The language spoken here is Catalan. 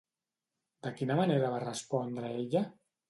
De quina manera va respondre ella?